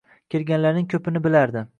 Kelganlarning ko'pini bilardi.